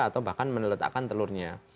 atau bahkan meneletakkan telurnya